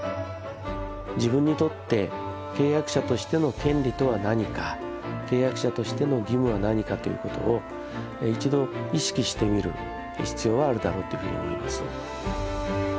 自分にとって契約者としての権利とは何か契約者としての義務は何かという事を一度意識してみる必要はあるだろうというふうに思います。